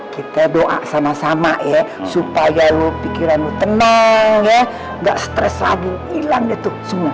kita doa sama sama ya supaya lu pikiran lu tenang ya nggak stress lagi hilang itu semua